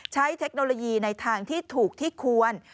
เทคโนโลยีในทางที่ถูกที่ควร